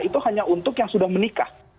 itu hanya untuk yang sudah menikah